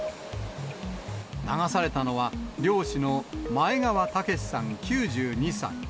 流されたのは、漁師の前川健さん９２歳。